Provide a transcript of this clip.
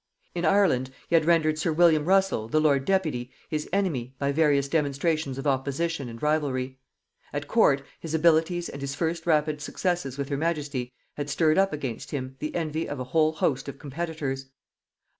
In Ireland, he had rendered sir William Russell the lord deputy his enemy by various demonstrations of opposition and rivalry; at court, his abilities and his first rapid successes with her majesty had stirred up against him the envy of a whole host of competitors.